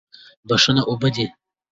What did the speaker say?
بښنه اوبه دي.